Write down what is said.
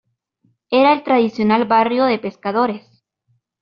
Era el tradicional barrio de pescadores.